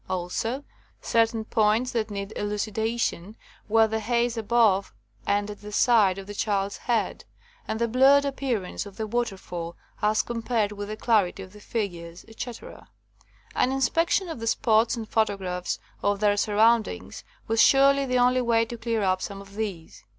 Also, certain points that needed elucidation were the haze above and at the side of the child's head, and the blurred appearance of the waterfall as compared with the clarity of the figures, etc. An inspection of the spots and photographs of their surroundings was surely the only way to clear up some of these.